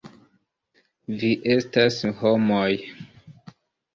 Vi estas homoj!